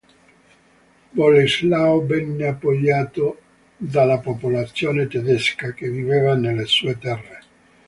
Boleslao venne appoggiato dalla popolazione tedesca che viveva nelle sue terre.